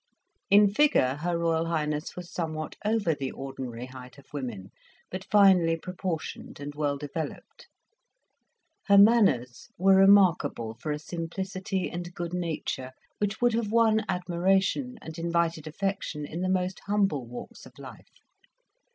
In figure her Royal Highness was somewhat over the ordinary height of women, but finely proportioned and well developed. Her manners were remarkable for a simplicity and good nature which would have won admiration and invited affection in the most humble walks of life.